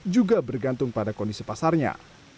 juga bergantung pada kondisi pasarnya